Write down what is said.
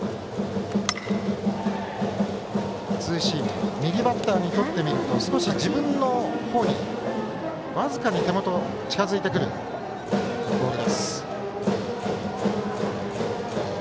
ツーシーム右バッターにとってみると少し自分の方に僅かに手元に近づいてくるボールです。